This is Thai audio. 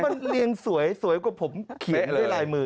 มันเรียงสวยสวยกว่าผมเขียนด้วยลายมือ